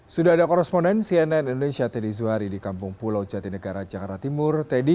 sudah ada koresponden cnn indonesia teddy zuhari di kampung pulau jatinegara jakarta timur teddy